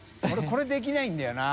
これできないんだよな。